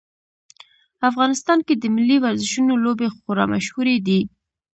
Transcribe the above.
افغانستان کې د ملي ورزشونو لوبې خورا مشهورې دي